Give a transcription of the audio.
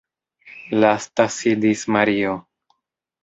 Lasta sidis Mario.